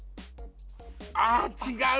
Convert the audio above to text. あっ違う！